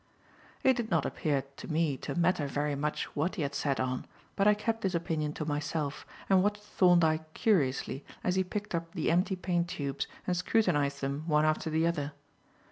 It did not appear to me to matter very much what he had sat on, but I kept this opinion to myself and watched Thorndyke curiously as he picked up the empty paint tubes and scrutinized them one after the other.